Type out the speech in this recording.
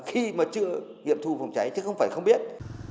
khi mà chưa nghiệm thu phòng cháy chứ không phải không biết